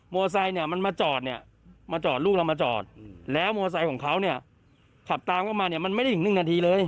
โมไซค์มันมาจอดลูกเราแล้วโมไซค์ของเขาขับตามเข้ามาไม่ได้ถึงหนึ่งนาทีเลย